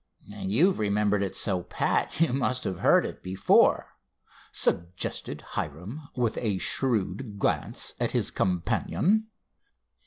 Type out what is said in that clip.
"You've remembered it so pat you must have heard of it before," suggested Hiram, with a shrewd glance at his companion.